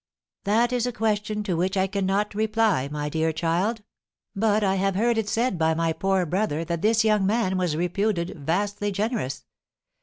"That is a question to which I cannot reply, my dear child; but I have heard it said by my poor brother that this young man was reputed vastly generous.